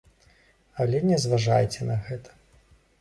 Але не зважайце на гэта.